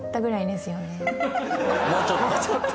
もうちょっと？